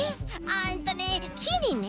えっとねきにね